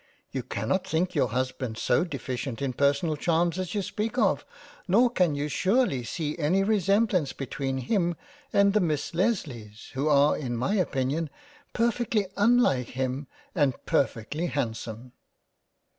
You cannot think your Husband so deficient in personal Charms as you speak of, nor can you surely see any resem blance between him and the Miss Lesleys who are in my opinion perfectly unlike him and perfectly Handsome."